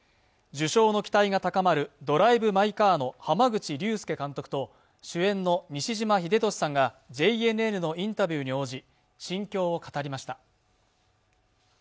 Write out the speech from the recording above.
受賞の期待が高まる「ドライブ・マイ・カー」の濱口竜介監督と主演の西島秀俊さんがＪＮＮのインタビューに応じ、心境を語りました。